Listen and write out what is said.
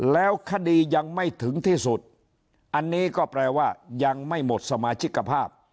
แล้วคดียังไม่ถึงที่สุดอันนี้ก็แปลว่ายังไม่หมดสมาชิกภาพ